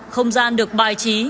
không gian được bài trí